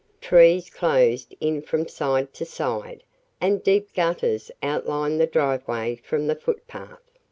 Trees closed in from side to side, and deep gutters outlined the driveway from the footpath.